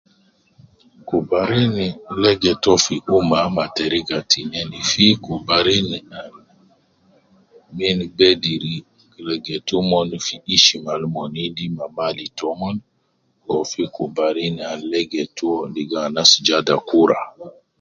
Kubarini legetu uwo fi umma ma teriga tinin fi kubarin ab ,gen bediri legetu omon fi ishma al omon endis ma mali tomon wu gi kubarin al legetu uwo ligo anas bada kura